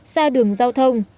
xa đường giao thông